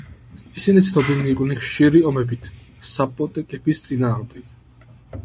ისინი ცნობილნი იყვნენ ხშირი ომებით საპოტეკების წინააღმდეგ.